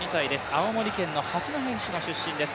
青森県の八戸市の出身です。